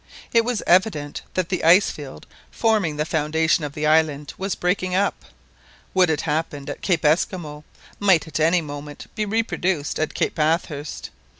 It was evident that the ice field forming the foundation of the island was breaking up. What had happened at Cape Esquimaux might at any moment be reproduced at Cape Bathurst.